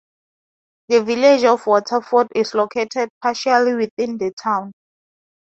The Village of Waterford is located partially within the town.